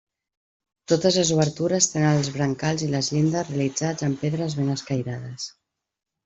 Totes les obertures tenen els brancals i les llindes realitzats amb pedres ben escairades.